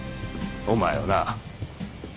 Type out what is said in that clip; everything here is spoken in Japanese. お前をな。